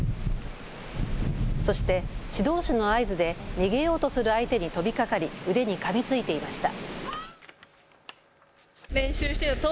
そして指導士の合図で逃げようとする相手に飛びかかり腕にかみついていました。